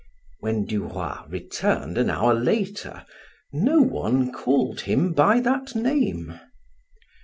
When Du Roy returned an hour later, no one called him by that name.